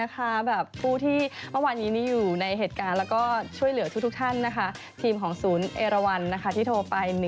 ขอบคุณยังไม่ทันแมสแตะคำขอบคุณยังไม่ทัน